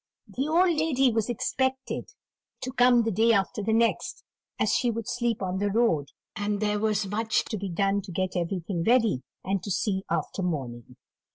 The old lady was expected to come the day after the next, as she would sleep on the road; and there was much to be done to get everything ready, and to see after mourning.